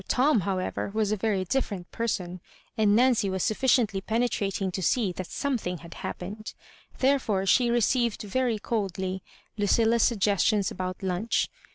Tom, however, was a very diflTerent person; and Nancy was sufficiently penetrating to see that something bad happened. Therefore, she received very coldly Lucilla's suggestions about lunch.